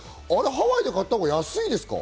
ハワイで買ったほうが安いですか？